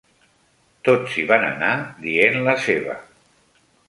Tots hi van anar dient la seva.